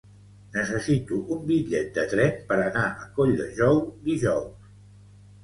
Necessito un bitllet de tren per anar a Colldejou dijous.